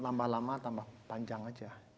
nambah lama nambah panjang aja